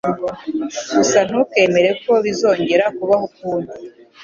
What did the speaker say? Gusa ntukemere ko bizongera kubaho ukundi.